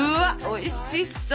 おいしそう！